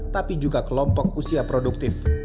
tapi juga kelompok usia produktif